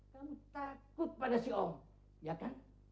kamu takut pada si om ya kan